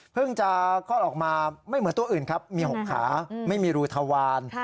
จะคลอดออกมาไม่เหมือนตัวอื่นครับมี๖ขาไม่มีรูทวาร